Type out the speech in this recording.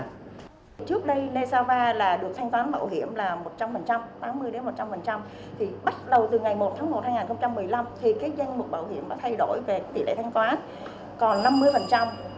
trước đây nexava được thanh toán bảo hiểm là tám mươi một trăm linh bắt đầu từ ngày một tháng một năm hai nghìn một mươi năm thì cái danh mục bảo hiểm đã thay đổi về tỷ lệ thanh toán còn năm mươi